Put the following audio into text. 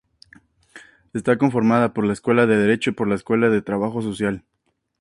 Está conformada por la Escuela de Derecho y por la Escuela de Trabajo Social.